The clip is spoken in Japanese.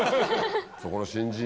そこの新人。